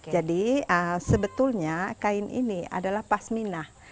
jadi sebetulnya kain ini adalah pasminah